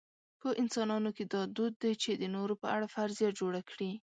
په انسانانو کې دا دود دی چې د نورو په اړه فرضیه جوړه کړي.